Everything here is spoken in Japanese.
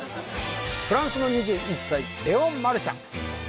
フランスの２１歳レオン・マルシャン